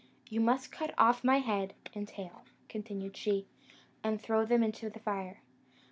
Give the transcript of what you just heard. You must cut off my head and tail," continued she, "and throw them into the fire."